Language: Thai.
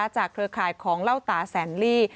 เครือข่ายของเล่าตาแสนลี่